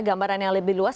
gambaran yang lebih luas